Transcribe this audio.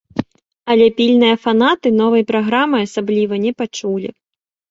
Але пільныя фанаты новай праграмы асабліва не пачулі.